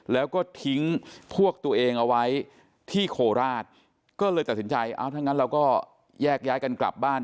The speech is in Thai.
แล้วก็ทิ้งพวกตัวเองเอาไว้ที่โคราชก็เลยตัดสินใจเอาถ้างั้นเราก็แยกย้ายกันกลับบ้าน